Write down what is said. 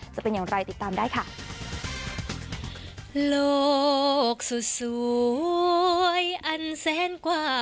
จะเป็นอย่างไรติดตามได้ค่ะ